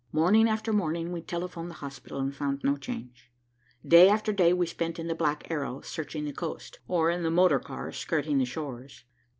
Morning after morning we telephoned the hospital and found no change. Day after day we spent in the Black Arrow, searching the coast, or in the motor car, skirting the shores.